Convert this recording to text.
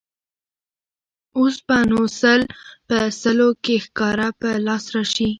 اوس به نو سل په سلو کې سکاره په لاس راشي.